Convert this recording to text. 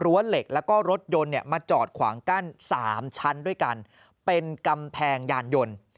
เหล็กแล้วก็รถยนต์เนี่ยมาจอดขวางกั้น๓ชั้นด้วยกันเป็นกำแพงยานยนต์